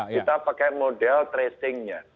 kita pakai model tracing nya